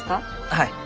はい。